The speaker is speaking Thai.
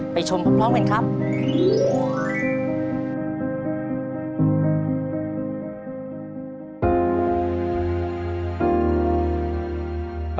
ไปชมพร้อมพร้อมเหมือนครับ